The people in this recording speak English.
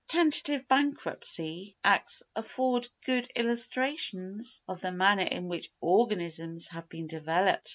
Tentative bankruptcy acts afford good illustrations of the manner in which organisms have been developed.